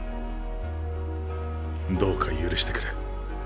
どうか許してくれ。